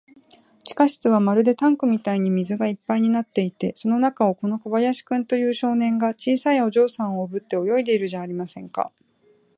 地下室はまるでタンクみたいに水がいっぱいになっていて、その中を、この小林君という少年が、小さいお嬢さんをおぶって泳いでいるじゃありませんか。